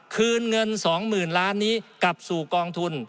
คืนเงิน๒๐๐๐ล้านนี้กลับสู่กองทุน